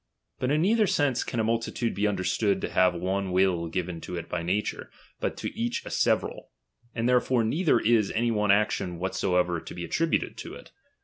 But in neither sense can a multitude be understood to have one will given to it by nature, but to each a several; and therefore neither is any one action whatsoever to be attributed to it.